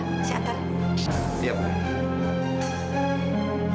saya jadi enak sama pak prabu